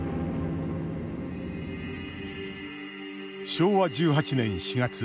昭和１８年４月。